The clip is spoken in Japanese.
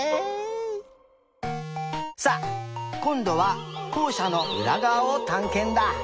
さあこんどはこうしゃのうらがわをたんけんだ！